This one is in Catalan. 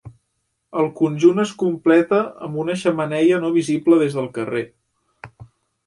El conjunt es completa amb una xemeneia no visible des del carrer.